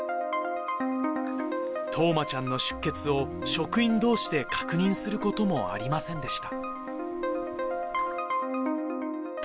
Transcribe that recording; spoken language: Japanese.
冬生ちゃんの出欠を職員どうしで確認することもありませんでした。